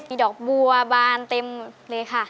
มีดอกบัวบานเต็มเลยค่ะ